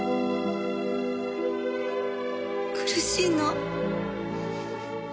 苦しいの？